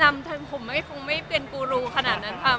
ผมคงไม่เป็นกูรูขนาดนั้นค่ะ